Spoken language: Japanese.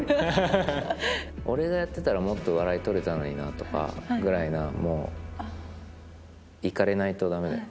俺がやってたらもっと笑い取れたのになぐらいなもういかれないと駄目だよ。